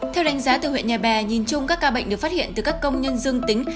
theo đánh giá từ huyện nhà bè nhìn chung các ca bệnh được phát hiện từ các công nhân dương tính